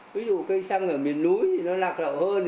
ví dụ cây xăng ở miền núi thì nó lạc lậu hơn